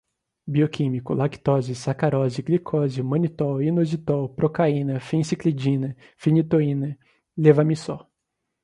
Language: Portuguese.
bioquímico, lactose, sacarose, glicose, manitol, inositol, procaína, fenciclidina, fenitoína, levamisol